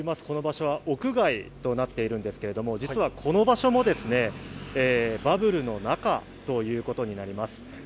この場所は屋外となっているんですけれども、実はこの場所もバブルの中ということになります。